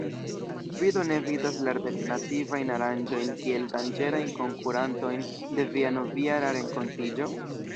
Vi do ne vidas la alternativajn aranĝojn kiel danĝerajn konkurantojn de via Novjara Renkontiĝo?